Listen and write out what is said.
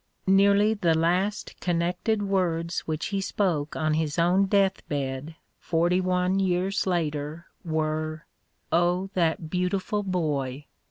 Nearly the last connected words which he spoke on his own death bed forty one years later were, " Oh, that beautiful boy